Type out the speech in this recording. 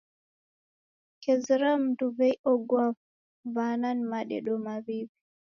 Kezera mundu w'ei ogua w'ana ni madedo maw'iwi.